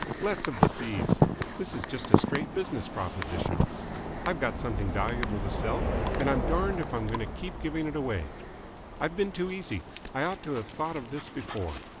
"Less of the thieves. This is just a straight business proposition. I've got something valuable to sell, and I'm darned if I'm going to keep giving it away. I've been too easy. I ought to have thought of this before.